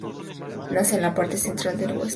Nace en la parte central del hueso.